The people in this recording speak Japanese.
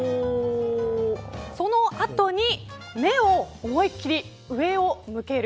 その後に目を思いっきり上を向ける。